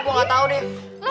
gue gak tau deh